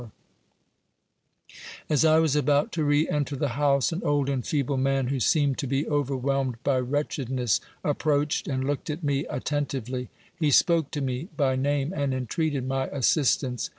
132 OBERMANN As I was about to re enter the house, an old and feeble man, who seemed to be overwhelmed by wretchedness, approached and looked at me attentively ; he spoke to me by name, and entreated my assistance.